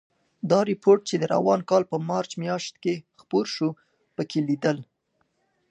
دا رپوټ چې د روان کال په مارچ میاشت کې خپور شو، پکې لیدل